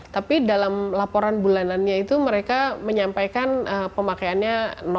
tapi dalam laporan bulanannya itu mereka menyampaikan pemakaiannya